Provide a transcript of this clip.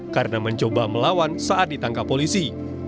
karena mencoba melawan saat ditangkap polisi